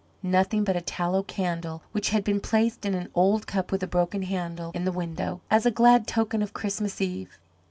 Nothing but a tallow candle which had been placed in an old cup with a broken handle, in the window, as a glad token of Christmas Eve.